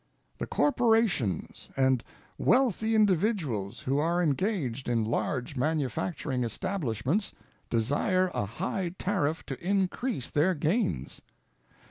The corporations and wealthy individuals who are engaged in large manufacturing establishments desire a high tariff to increase their gains.